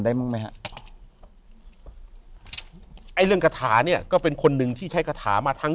บ้างไหมฮะไอ้เรื่องกระถาเนี่ยก็เป็นคนหนึ่งที่ใช้คาถามาทั้ง